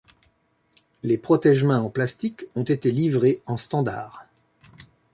Les protèges-mains en plastique ont été livrés en standard.